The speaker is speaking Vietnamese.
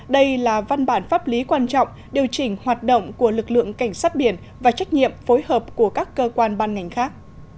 đây là văn bản pháp lý quan trọng điều chỉnh hoạt động của lực lượng cảnh sát biển và trách nhiệm phối hợp của các cơ quan ban ngành khác